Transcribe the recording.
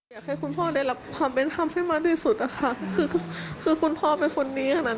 อยากให้คุณพ่อได้รับความเป็นธรรมให้มากที่สุดนะคะคือคือคุณพ่อเป็นคนนี้ขนาดนั้น